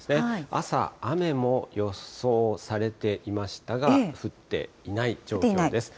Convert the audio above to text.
朝、雨も予想されていましたが、降っていない状態です。